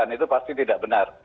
itu pasti tidak benar